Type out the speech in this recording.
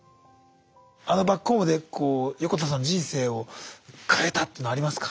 あのバックホームで横田さんの人生を変えたっていうのはありますか？